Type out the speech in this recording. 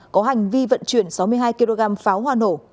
có hành vi vận chuyển sáu mươi hai kg pháo hoa nổ